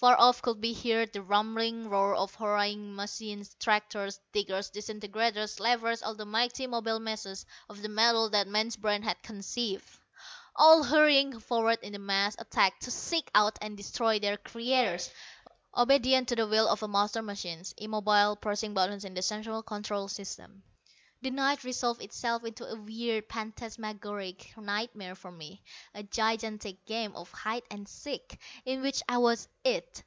Far off could be heard the rumbling roar of hurrying machines tractors, diggers, disintegrators, levelers, all the mighty mobile masses of metal that man's brain had conceived all hurrying forward in massed attack to seek out and destroy their creators, obedient to the will of a master machine, immobile, pressing buttons in the Central Control System. The night resolved itself into a weird phantasmagoric nightmare for me, a gigantic game of hide and seek, in which I was "it."